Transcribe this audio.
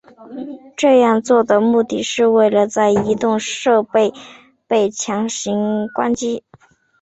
这样做的目的是为了在移动设备被强制关机。